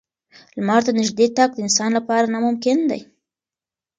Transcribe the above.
لمر ته نږدې تګ د انسان لپاره ناممکن دی.